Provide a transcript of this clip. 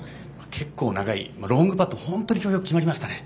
結構、長いロングパット本当に今日はよく決まりましたね。